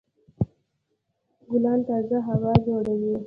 ګلان تازه هوا جوړوي.